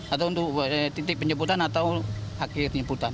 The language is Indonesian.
atau untuk titik penjemputan atau akhir penjemputan